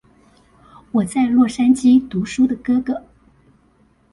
我在洛杉磯讀書的哥哥